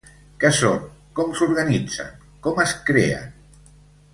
Què són, com s'organitzen, com es creen?